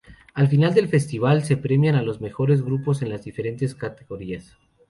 Al final del festival se premian los mejores grupos en las diferentes categorías.